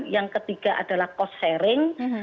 yang ketiga adalah cost sharing